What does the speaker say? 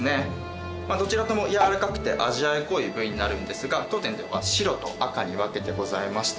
どちらともやわらかくて味わい濃い部位になるんですが当店では白と赤に分けてございまして。